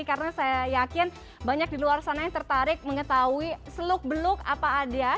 karena saya yakin banyak di luar sana yang tertarik mengetahui seluk beluk apa ada